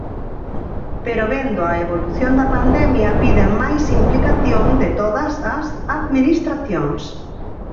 Pero vendo a evolución da pandemia, piden máis implicación de todas as administracións.